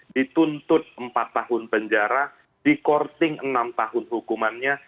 dituntut empat tahun penjara dikorting enam tahun hukumannya